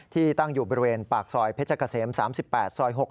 ตั้งอยู่บริเวณปากซอยเพชรเกษม๓๘ซอย๖